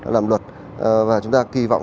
làm luật và chúng ta kỳ vọng